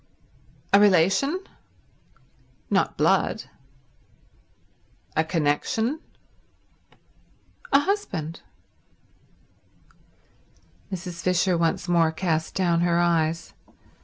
"A relation?" "Not blood." "A connection?" "A husband." Mrs. Fisher once more cast down her eyes.